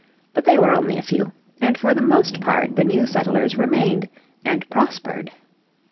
But they were only a few, and for the most part the new settlers remained and prospered.